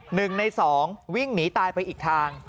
หนึ่งในสองวิ่งหนีตายไปอีกทาง